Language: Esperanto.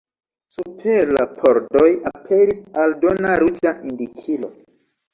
Super la pordoj aperis aldona ruĝa indikilo.